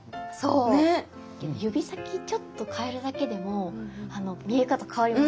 指先ちょっと変えるだけでも見え方変わりますよね？